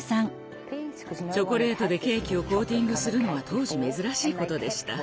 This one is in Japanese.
チョコレートでケーキをコーティングするのは当時珍しいことでした。